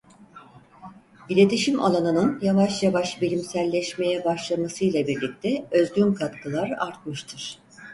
İletişim alanının yavaş yavaş bilimselleşmeye başlamasıyla birlikte özgün katkılar artmıştır.